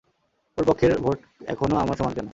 ওর পক্ষের ভোট এখনো আমার সমান কেন?